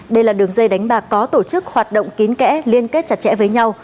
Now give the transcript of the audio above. đây là đường dây đánh bạc có tổ chức hoạt động kín kẽ liên kết chặt chẽ với nhau